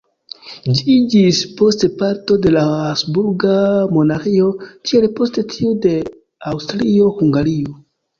Ĝi iĝis poste parto de la Habsburga Monarĥio tiel poste tiu de Aŭstrio-Hungario.